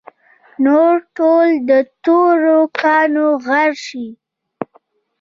نور ټول د تورو کاڼو غر شي.